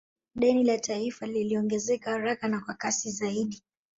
Deni la taifa liliongezeka haraka na kwa kasi zaidi